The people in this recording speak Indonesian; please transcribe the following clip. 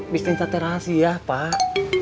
bisnis taterasi ya pak